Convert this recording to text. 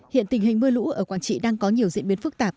hiện tình hình mưa lũ ở quảng trị đang có nhiều diễn biến phức tạp